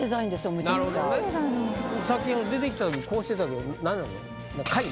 さっき出てきたときこうしてたけど何なの？